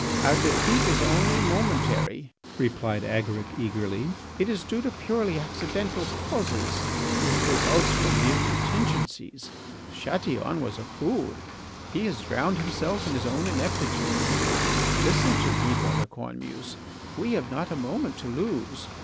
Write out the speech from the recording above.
"Our defeat is only momentary," replied Agaric eagerly. "It is due to purely accidental causes; it results from mere contingencies. Chatillon was a fool; he has drowned himself in his own ineptitude. Listen to me, Brother Cornemuse. We have not a moment to lose.